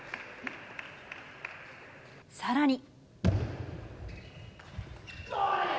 さらに。